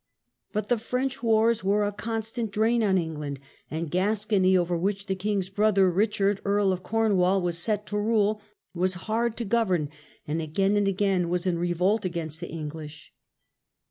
But the French wars were a constant drain on England; and Gascony, over which the king's brother Richard, Earl of Comwadl, was set to rule, was hard to govern, and s^ain and again was in ^^^ bepn revolt against the English.